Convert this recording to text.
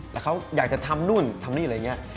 แล้วเขาอยากจะทำนู่นทำนี่อะไรอย่างนี้